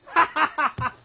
ハハハハ。